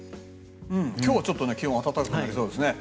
今日はちょっと気温、暖かくなりそうですね。